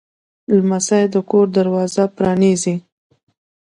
لمسی د کور دروازه پرانیزي.